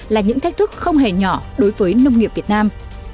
là những thách thức không hề nhỏ đối với nông nghiệp việt nam